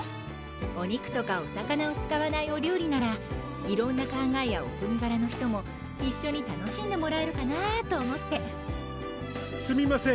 お肉とかお魚を使わないお料理なら色んな考えやお国柄の人も一緒に楽しんでもらえるかなぁと思ってすみません